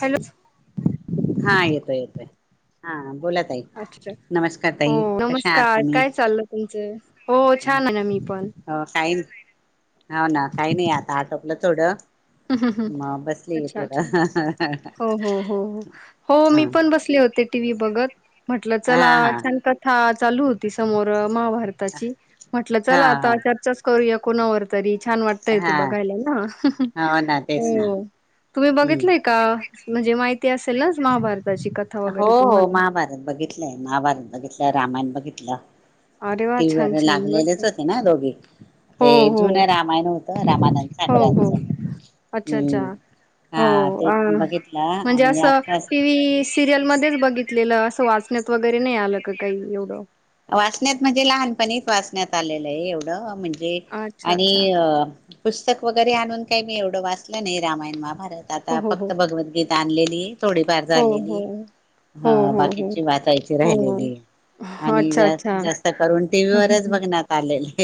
Hello हा येतोय येतोय हा बोलात अच्छा हो आहात नमस्कार तुम्ही काय चाललं तुमचं हो छान आहे ना मी पण हो काही होा ना काही नाही आता आटोपलं थोडं हम् ह् ह् मग बसली अच्छा थोडं अच्छा हो हो हो हो हो हा मी पण बसले होते टी व्ही बघत म्हटलं हा चला हा छान कथा चालू होती समोर महाभारताची म्हटलं हा चला आता हा चर्चाच करूया कोणावर तरी छान वाटतयेत हा बघायला ना ना तेच ना हो तुम्ही हम्म बघितलंय का? म्हणजे माहिती असेल महाभारत. हो महाभारत बघितलंय महाभारत बघितलं रामायण बघितलं. अरे वा टी व्ही छान व छान बर का. लागलेलेच होते ना दोघे हो ते हो जुन रामायण होतं रामानंद हो हो सागरांचं अच्छा हम् अच्छा हो हा ते अ पण बघितलं आणि आ सिरियल मध्येच बघितलेलं असं वाचण्यात वगैरे नाही आलं का काही एवढं? वाचण्यात म्हणजे लहानपणी वाचण्यात आलेलं आहे एवढं म्हणजे म्हणजे अच्छा, अच्छा. आणि अ पुस्तक वगैरे आणून काही मी एवढं वाचलं नाही रामायण महाभारत. मार हो, आता हो, हो. फक्त भगवतगीता आणलेली आहे. थोडीफार हो, झालेली हो. हा हो, हो, हो. बाकीची वातयची हो. राहिलेली. आणि अच्छा, जात अच्छा. जास्त हं, करून टी व्ही हं, वरच हं. बघण्यात आलेल. [inaudible]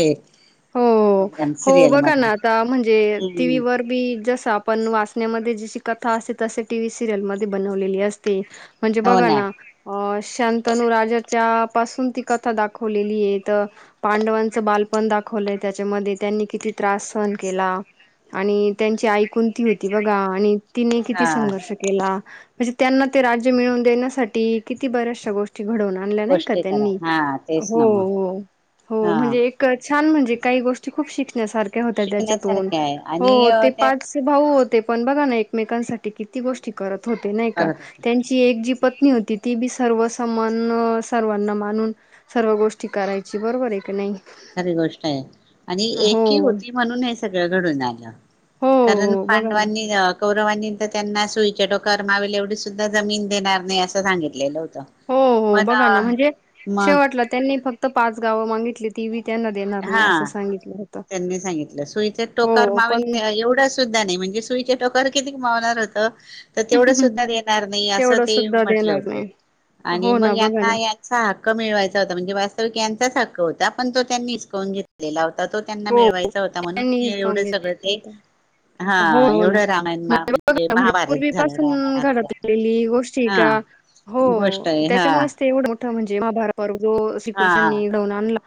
हो हो बघा ना आता म्हणजे टी व्ही हम्म वर बी जस आपण वाचण्यामध्ये जशी कथा असते तसे टी व्ही सिरियल ममध्ये बनवलेली असते. म्हणजे बघा ना अ शांतनू राजा च्या पासून ती कथा दाखवलेली आहे पांडवांचं बालपण दाख खोले त्याच्यामध्ये त्यांनी किती त्रास सहन केला आणि त्यांची आईकुणती होती बघा आणि तिने किती हा संघर्ष केला. म्हणजे त्यांना ते राज्य मिळवून देण्यासाठी किती बऱ्याचशा गोष्टी घडवून आणलं नाई का गोष्टी करा त्यांनी हा तेच हो ना मग हो हो हा म्हणजे एक छान म्हणजे काही गोष्टी खूप शिकण्यासारख्या होत त्याच्यातून शिकण्यासारखे आहे हो ते आणि पाच भाऊ होते. आपण बघा ना एकमेकांसाठी किती गोष्टी करत. हो नाही का त्यात त्यांची एकी जी प होती ती बी सर्व समान सर्वांना मानून सर्व गोष्टी करायची बरोबर आहे की नाही? खरे गोष् ष्टीआणि हो एकही होती म्हणून सगळं घडून आलं. हो हो कारण बघा ना. पांडवांनी, कौरवाांनी. तर त्यांना सुईच्या डोकामावेल एवढी सुद्धा जमीन देणार नाही असं सांगितलेलं होतं. हो हो पण बघा ना म्हणजे मग शेवटला त्यांनी फक्त पाच गावं मागितली. ती बी त्यांना देणार नाही हा असं सांगितलं होतं. त्यांनी सांगितलं सुईचे टोकार हो माव पण एवढा सुद्धा नाही म्हणजे सुईचे टोकर किती मावणार होत तर तेवढं सुद्धा देणार नाही असं तेवढं ते सुद्धा म्हटलं देणार होत नाही आणि हो मग ना बघा यांना ना यांचा हक्क मिळवायचा होता म्हणजे वास्तविक त्यांच्याच हक्क होता पण तो त्यांनी कोण घेतलेला ता तो त्यांना हो. मिळवायचा होता म्हणून त्यांनी हिसकावून एवढं सगळं घेतलं ते होत हा हो हो ना एवढं रामायण म्हणजे बघा महाभारत झालं पूर्वीपासून रामायणाचा घडत आलेली गोष्टी हा का हो गोष्ट आहे हा त्याच्यामुळेच ते एवढं म्हणजे जो हा श्रीकृष्णांनी पांडवांना आणला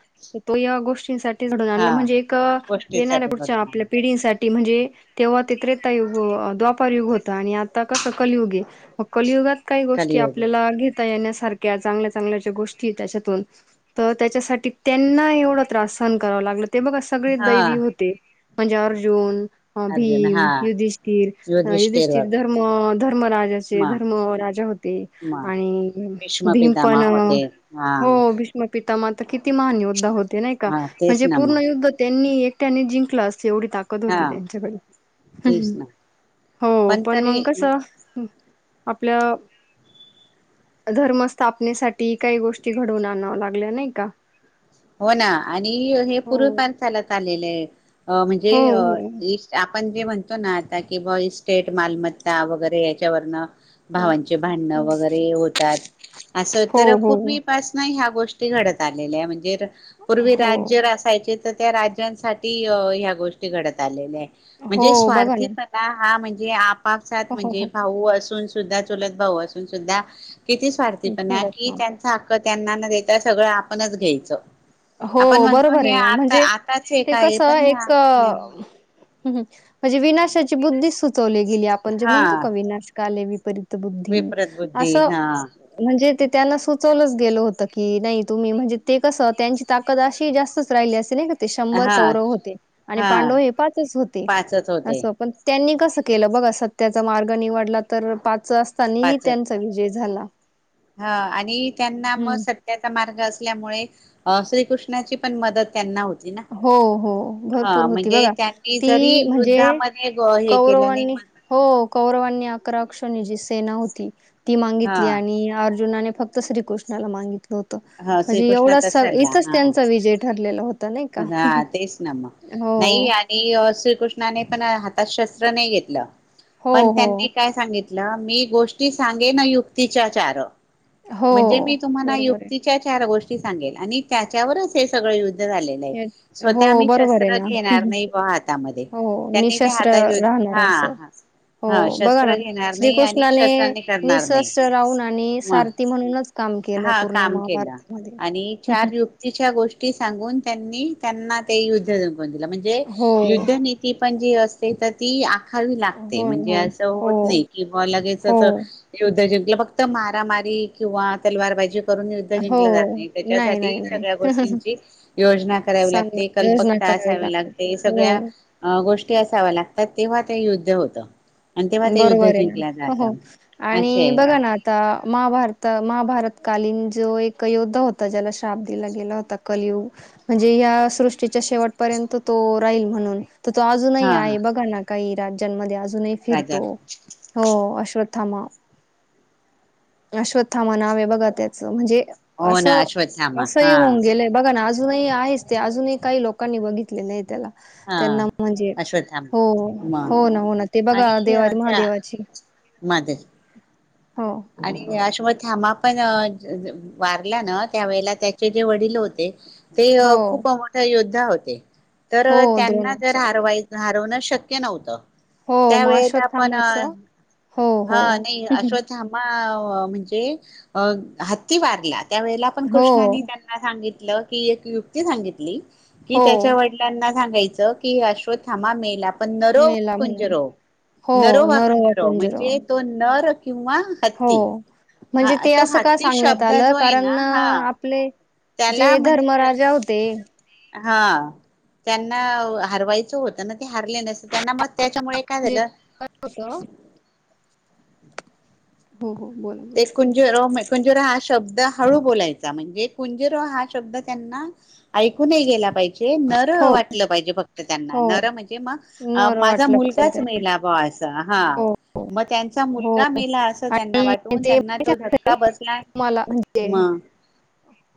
तो या गोष्टी घडवून हा आणलं म्हज जे का येणार्या गोष्टीसाठी पुढच्या घडवून आपल्या आणलं पिढींसाठी म्हणजे तेव्हा ते त्रेतायुग द्वापारयुग होता आणि आता कस कलयुग आहे मग कलयुगात काही गोष्टी कलियुग आपल्याला घेता येण्यासाठी चांगल्या चांगल्या ज्या गोष्टी त्यांच्यातून त्याच्यासाठी त्यांना एवढा त्रास सहन करावा लाग ते बघ सगळे हा दैवी होते म्हणजे अर्जुन अ अर्जुन हा भीम, युधिष्ठिर, युधिष्ठिर धर्म धर्मरााचे मग धर्म राजा होते मग आणि भीष्म भीम पण पितामह होते हा हो भीषम पिता माह किती महान योद्धा होते नाही का हा तेच म्हणजे ना पूर्ण मग युद्ध त्यांनी एक टॅनि जिंग क्लास एवढी ताकद होती हा त्यांच् तेच याकडे ना हो पण तरी मंग कस? म्हणजे आपल्या धर्मस्थापनेसाठी काही गोष्टी घडवून आणाव्या लागल्या नाही का? हो ना आणि आणि हे हो. पूर्वपण चालत आलेलं आहे. अ हो, म्हणजे हो, आपण जे म्हणतो ना आता की ब इस्टेट मालमत्ता वगैरे याच्यावरनं हो, भावांचे भांडणं हो, वगैरे होतात असं हो, तर हो, पूर्वीपासन ह्या गोष्टी गोष्ट घडत आल्या म्ह पूर्वी राज्य असायचे. तर त्या राज्यांसाठी ह्या गोष्टी घडत आलेल्या आहेत. हो म्हणजे हो, बघा स्वार्थी ना. हाणज जे आप पापसात हो, हो, म्हणजे हो. भाऊ असून. सुद्धा चुलत भाऊ असून सुद्धा किती स्वारथी पण घडत कि नव्हतं. त्यांचा हक्क त्यांना ेत सगळं आपणच घ्यायचं. आपण हो म्हणतो बरोबर हे आहे ना आता म्हणजे आताच हे ते काय कसं पण एक हे म्हणजे विनाशाची बुद्धी सुचवली. गेली आपण जे हा म्हणतो का विनाशकाले पर बुद्धी विपरीत बुद्धी असं हा म्हणजे त्यांना सुचवलंच गेलं होत की नाही तुम्ही म्हणजे ते कसं त्यां ताकद अशी जास्तच राहिली असे नाही का? ते शंभर हा कौरव होते आणि हा पांडव हे पाचच होते पाचच होते अस पण त्यांनी कसं केलं बघा सत्याचा मार्ग निवडला तर पाच असतानाही पाच त्यांचा विजय झाला. हा आणि त्यांना मग हम्म सत्याचा मार्ग असल्यामुळे श्रीकृष्णाची पण मदत त्यांना होती. ना हो हो भरपूर हा होती म्हणजे बघा त्यांनी जरी ती म्हणजे युद्धामध्ये हे केलं नाही कौरवांनी हो कौरवांनी अकराक्षणी जी सेना होती. ती हा मागितली आणि अर्जुनाने फक्त श्रीकृषणाला मागित होत हा म्हणजे एवढा श्रीकृष्णाचा सल्ला इथंच हा त्यांचा विजय ठरलेला होता. नाही का? हा तेच ना म नाही हो. आणि श्रीकृष्णाने पण हातात शस्त्र नाही घेतलं हो, पण हो. त्यांनी काय सांगितलं, म्हलं मी गोष्टी सांगे ना युक्तीच्या चार हो. म्हणजे मी तुम्हाला बरोबर आहे. युक्तीच्या चार गोष्टी सांग आणि त्याच्यावरच हे सगळ य झा आहे हे स्वतः हो, आम्ही बरोबर आहे शस्त्र ना. घेणार नाही हातामध्ये हो, त्यांनी त्या निशस्त्र हाता राहणार असं. हा हो हा बघा शस्त्र ना घेणार नाही आणि श्रीकृष्णाने शस्त्रांनी करणार नाही निशस्त्र राहून आणि म सारथी म्हणूनच काम केलं हा पूर्ण काम केलं महाभारतामध्ये. आणि चार युक्तीच्या गोष्टी सांगून त्यांनी त्यांना ते यु म्हणजे, हो. युद् पण जी असते तर ती लाग हो ना, म्हणजे हो ना, अस हो, होत नाही कि हो, लगेचद् फक्त मार मारी किंवा तलवार बाजी करून युद्ध जिंकलं जात हो. नाही, त्याच्यासाठी नाही, नाही. सगळ्या गोष्टींची योजना करावी सांग लागते. योजना कल्पकता करावी असावी लागते सगळ्या हो. गोष्ट. के असाव लागत तेव्हा ते युद्ध होतं. आणि तेव्हा ते युद्ध बरोबर आहे ना जिंकल्या हो हो, जातं असे आणि हा बघा ना आता महाभारत. महाभारतकालीन जो एक योद्धा होता. ज्याला श्राप दिला गेला होता कलयुग म्हणजे या सृष्टीच्या शेवटपर्यंत तो राहील म्हणून. तर तो अजूनही हा आहे बघा ना. काही राज्यांनमध्ये अजू जुने फिर राजा हो अश्वथ थामा, अश्वथामा नाव आहे. बघा त्याच म्हणजे, हो ना असं अश्वत्थामा असं हा एक होऊन गेलंय, बघा ना आज. अजूनही आहेच ते अजूनही काही लोकांनी बघितलेले आहे त्याला. हा त्यांना म्हणजे अश्वत्थामा हो मग हो ना हो ना ते आणि बघा देवा अ, त्या महादेवाची. मध्ये हो. आणि अश्वध्यामा पण वारल्या ना त्यावेेळेला त्याचे जे वडील होते. ते हो, खूप मोठ्या योद्ध त्यां होते, तर हो त्यांना जर, द्रोणाचार्य. हारवायच हारवण शक्य. के नव्हतं. हो मग अशोत त्यावेेळेला पण अ थांबवायचं हो हो. हं म्हणजे अ हत्ती वारला. त्यावेळेलापण हो, कृष्णानी त्यांना सांगित ल की एक युक्ती सांगितली. की हो. त्याच्या वडिलांना सांगायचं की अश्वथामा मेला पण नरो मेला म्हणून. कुंजरो, हो, नरो वा नरोवा कुंजरो. पंजरोवा. म्हणजे तो नर किंवा हो, हत्ती हा म्हणजे ते तो असं का हत्ती सांगण्यात शब्द आलं? जो आहे ना कारण हा आपले त्याला जे म्हणजे धर्मराजा होते हे हा त्यांना हरवायचं होतं ना, ते हारले नस त्यांना मग त्याच्यामुळे काय जे झालं? होतं हो हो. बोला, ते बोला. कुंज म कुंजोरा हा शब्द हळू बोलायचा, म्हणजे कुंजरो हा शब्द त्यांना ऐकू नाही गेला पाहिजे, नर हो, वाटलं पाहिजे फक् त त्यांना. हो. नर म्हणजे म नर माझा वाटलं पाहिजे मुलगाच त्यांना. मेला ब आज. हा, हो, मग त्यांचा हो. मुलगा मेला अस त्यांना आणि वाटतं. ते ते [inaudible] तुम्हाला म्हणजे मग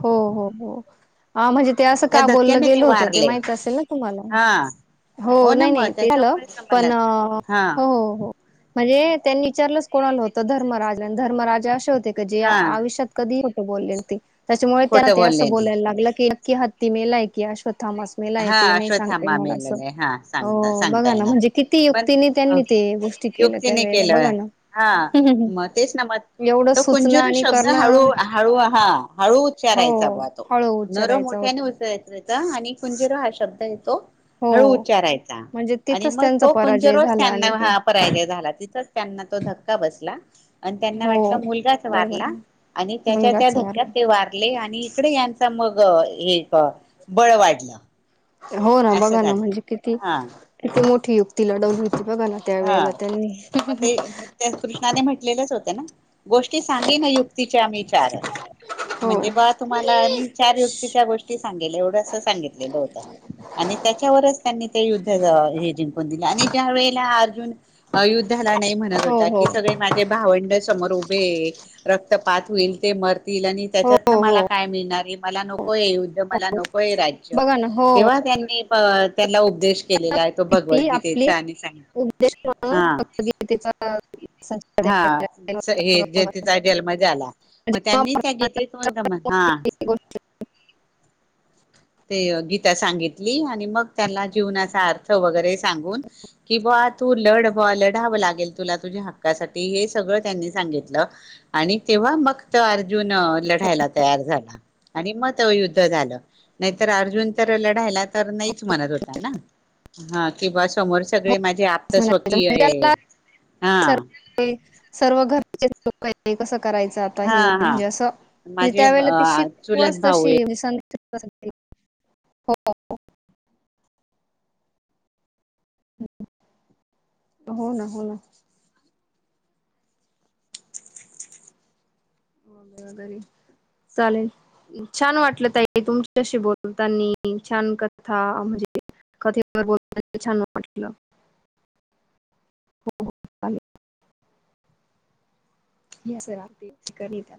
हो हो हो. हा म्हणजे ते असं त्या का बोललं धक्क्याने गेलं होतं, ते वारले माहित असेल ना तुम्हाला. हा हो ना नाही मग नाही ते झालं, त्याच्यामुळे समजलं पण हा म्हणजे त्यांनी विचारलंच कोणाला होतं धर्मराज आणि धर्मराजा असे हो ते क जे हा आयुष्यात कधी बोललेलं ते. त्याच्यामुळे त्यांना खोटं ते असं बोलले नाही बोलायला लागलं की की हत्तीने लायकी हा श थॉमस मेलाय हा त नाही सांगतेय अश्वथामा मला असं. मेलेला आहे हा सांगता हो, सांगता बघा ना येणार म्हणजे किती युक्तीने पण त्यांनी ते गोष्टी केल्या युक्तीने त्यावेेळेला बघा केलंय. ना हा मग तेच ना म एवढं त सुचणं कुंजर आणि शब्द हळू करणं हळू हा हळू हो चारायचा तो, हळू नरो उच्चारायचा मोठ्याने होता उचरायचं. आता आणि कुंजीरा हा शब्द हाय. तो हळू हो उच्चारायचा म्हणजे आणि तिथंच मग त्यांचा तो कोणच्या पराजय रोज झाला आणि ते त्यांना पराजय झाला तिथच त्यांना तो धक्का बसला आणि त्यांना हो वाटलं मुलगाच बरोबर वारला आहे आणि त्याच्या त्या मुलगाच धक्क्यात ते वारला वारले आणि इिकडे यांचा मग एक बळ वाढलं हो ना असं बघा ना झालं म्हणजे किती हा किती मोठ ठठी युक्ती लडवून हा मग ते कृष्णाने म्हटलेलेच होते ना गोष्टी सांगी ना युक्तीच्या आम्ही चार हो म्हणजे बा तुम्हाला म्ही चार यु गोढ सांगले होत आणि त्याच्यावरच त्यांनी ते युद्ध जिंकून दि आणि व ुून अयोद्ध्या नाही म्हणत हो होता हो की सगळे माझे भावंड सम उभे रक्तपात होईल ते म आणि त्याच्यात हो हो मला काय मिळणार आहे मला नकोय युद्ध मला नकोय राज्य बघा ना हो तेव्हा त्यांनी अ त्याला उदेश केलेला आहे तो ती आपली भगवद्गीतेचा आणि सांगित हां हा हे ज तिचा जन्म झाला मग त्यांनी त्या गीतीतंतम हा त ते गीता सांगितली आणि मग त्या जीवनाचा अर्थ वगैरे सांगून कि तू लढवा लढावं लागेल तुला तुझ्या हक्कासाठी हे सगळं त्यांनी सांगितलं आणि तेव्हा मगत अर्जुन लढायला तयार झाला आणि मत युद्ध झालं नाहीर अर्जुन तर लढायला तर नाहीच म्हणत होता ना हा किंवा समोर सगळे माझ म्हणाच म्हण हा सर्व घर त्या का नाही कस कराय आता हा हा म्हणजे अस म्हणे माझे त्या व चुलत शिकच भाऊ हो हो ना हो ना वगैरे चालेल छान वाटलं तई तुमच्याशी बोलताना छान कथा म्हणजे कथे ब छान वाटलं हो चालेल कडी